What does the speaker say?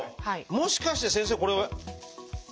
もしかして先生これ。